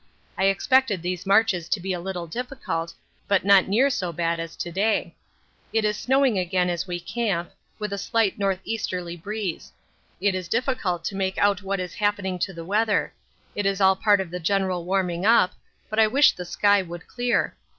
I expected these marches to be a little difficult, but not near so bad as to day. It is snowing again as we camp, with a slight north easterly breeze. It is difficult to make out what is happening to the weather it is all part of the general warming up, but I wish the sky would clear.